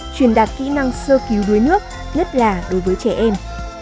truyền đạt kỹ năng sơ cứu đuối nước nhất là đối với trẻ em